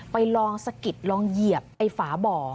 ไปลองสะกิดลองเหยียบไอ้ฝาบ่อ